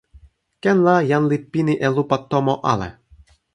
ken la jan li pini e lupa tomo ale.